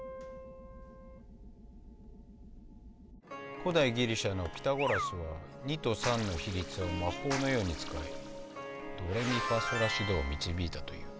古代ギリシャのピタゴラスは２と３の比率を魔法のように使いドレミファソラシドを導いたという。